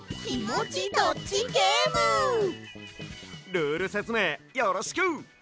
ルールせつめいよろしく！